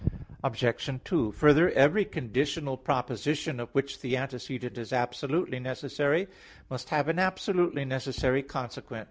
Obj. 2: Further, every conditional proposition of which the antecedent is absolutely necessary must have an absolutely necessary consequent.